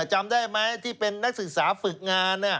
จำได้ไหมที่เป็นนักศึกษาฝึกงาน